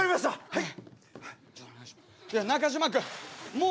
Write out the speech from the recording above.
はい。